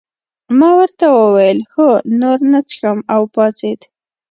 ما ورته وویل هو نور نه څښم او پاڅېد.